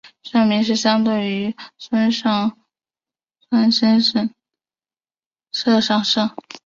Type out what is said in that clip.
社名是相对于川上村的丹生川上神社上社。